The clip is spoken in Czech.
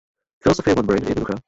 Filosofie One Brain je jednoduchá.